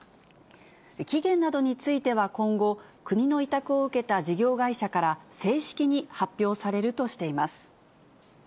期限などについては今後、国の委託を受けた事業会社から正式に発表されるとしています。